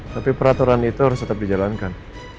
tapi peraturan itu harus tetap dijalankan